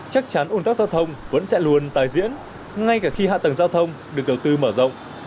chắc chắn ôn tắc giao thông vẫn sẽ luôn tái diễn ngay cả khi hạ tầng giao thông được đầu tư mở rộng